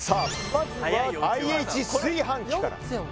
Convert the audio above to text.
まずはＩＨ炊飯器からはやいよ